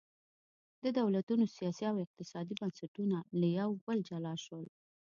د دولتونو سیاسي او اقتصادي بنسټونه له یو بل جلا شول.